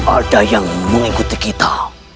ada yang mengikuti kita